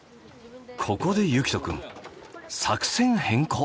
ここで結希斗くん作戦変更。